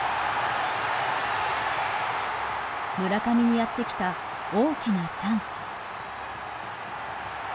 村上にやってきた大きなチャンス。